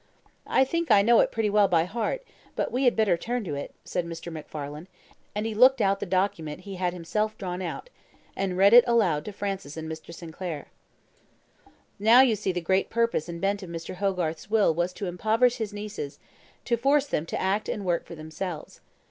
"I think I know it pretty well by heart, but we had better turn to it," said Mr. MacFarlane, and he looked out the document he had himself drawn out, and read it aloud to Francis and Mr. Sinclair. "Now you see that the great purpose and bent of Mr. Hogarth's will was to impoverish his nieces, to force them to act and work for themselves.